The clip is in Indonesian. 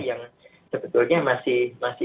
yang sebetulnya masih